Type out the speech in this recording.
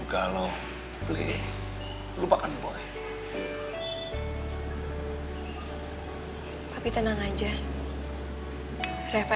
gak akan pernah nerima reva